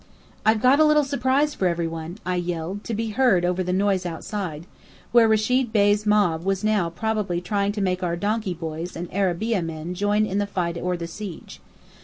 "I've got a little surprise for every one!" I yelled, to be heard over the noise outside, where Rechid Bey's mob was now probably trying to make our donkey boys and arabeah men join in the fight or the siege.